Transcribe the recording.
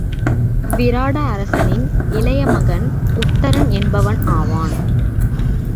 விராட அரசனின் இளைய மகன் உத்தரன் என்பவன் ஆவான்.